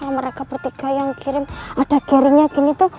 kalau mereka bertiga yang kirim ada gerinya gini tuh